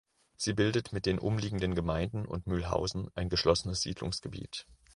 Sie bildet mit den umliegenden Gemeinden und Mülhausen ein geschlossenes Siedlungsgebiet.